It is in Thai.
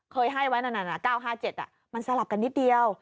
เคยให้ไว้นั่น๙๕๗มันสลับกันนิดเดียว